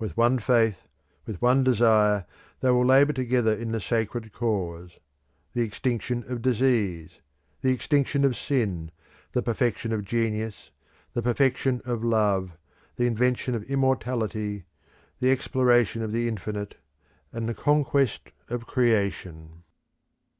With one faith, with one desire, they will labour together in the Sacred Cause the extinction of disease, the extinction of sin, the perfection of genius, the perfection of love, the invention of immortality, the exploration of the infinite, and the conquest of creation.